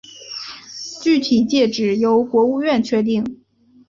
具体界址由国务院确定。